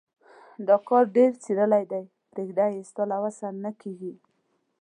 دا کار ډېر څيرلی دی. پرېږده يې؛ ستا له وسه نه کېږي.